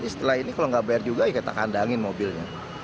setelah ini kalau nggak bayar juga ya kita kandangin mobilnya